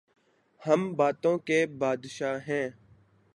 ہم باتوں کے بادشاہ ہیں۔